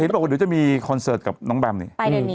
แต่ฮิ้นต์บอกคนนี้จะมีคอนเสิร์ตน้องบำให้